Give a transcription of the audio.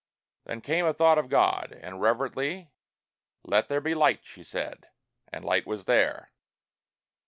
Then came a thought of God, and, reverently, "Let there be Light!" she said; and Light was there.